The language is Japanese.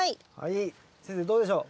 先生どうでしょう？